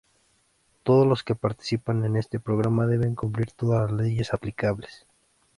Todos los que participan en este programa deben cumplir todas las leyes aplicables.